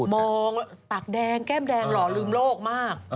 มองปากแดงแก้มแดงหล่อลืมโลกมาก